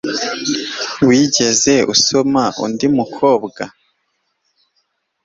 Wigeze usoma undi mukobwa?